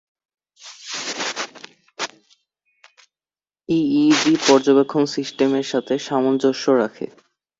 EEG পর্যবেক্ষন system এর সাথে সামঞ্জস্য রাখে।